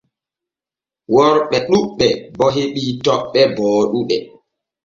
Worɓe ɗuuɓɓe bo heɓii toɓɓe booɗuɗe.